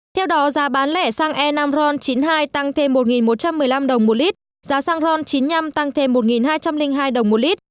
theo đó giá bán lẻ xăng e năm ron chín mươi hai tăng thêm một một trăm một mươi năm đồng một lít giá xăng ron chín mươi năm tăng thêm một hai trăm linh hai đồng một lít